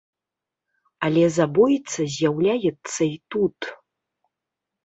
Але забойца з'яўляецца і тут.